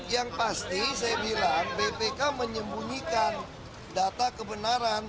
yang pasti saya bilang bpk menyembunyikan data kebenaran